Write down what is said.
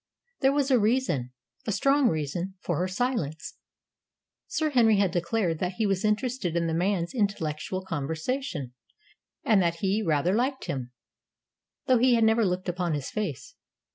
There was a reason a strong reason for her silence. Sir Henry had declared that he was interested in the man's intellectual conversation, and that he rather liked him, though he had never looked upon his face.